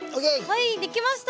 はい出来ました。